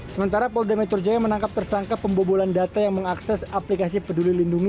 sementara polda metro jaya menangkap tersangka pembobolan data yang mengakses aplikasi peduli lindungi